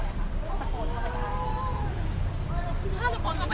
รู้สึกเป็นอย่างไรบ้างคะคนกับแม่ที่มาตามหาลูกหน้าบ้านแล้ววันนี้กลับไม่มีใครออกหาเราเลย